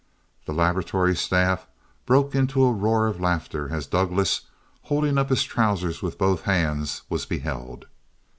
The laboratory staff broke into a roar of laughter, as Douglass, holding up his trousers with both hands was beheld.